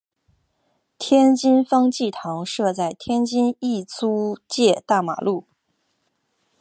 天津方济堂设在天津意租界大马路。